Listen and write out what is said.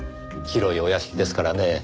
広いお屋敷ですからねぇ。